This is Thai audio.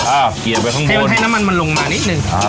เอ้าเกลียดไปข้างบนให้น้ำมันมันลงมานิดหนึ่งอ่า